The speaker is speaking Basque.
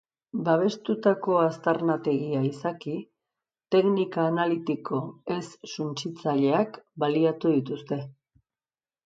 Babestutako aztarnategia izaki, teknika analitiko ez suntsitzaileak baliatu dituzte.